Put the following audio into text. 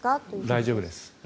大丈夫です。